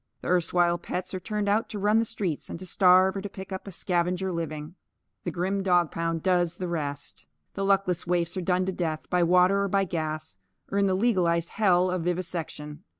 The erstwhile pets are turned out to run the streets and to starve or to pick up a scavenger living. The grim dog pound does the rest. The luckless waifs are done to death by water or by gas or in the legalised hell of vivisection.